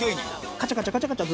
カチャカチャカチャカチャ